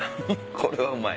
これはうまい。